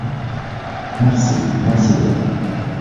Merci, merci bien.